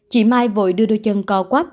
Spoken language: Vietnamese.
chị mai vội đưa đôi chân co quắp